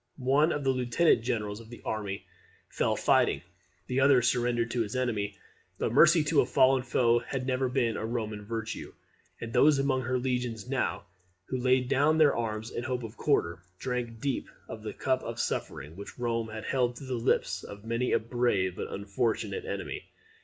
One of the lieutenant generals of the army fell fighting; the other surrendered to the enemy. But mercy to a fallen foe had never been a Roman virtue, and those among her legions who now laid down their arms in hope of quarter, drank deep of the cup of suffering, which Rome had held to the lips of many a brave but unfortunate enemy.